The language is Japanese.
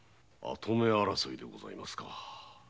跡目争いでございますか。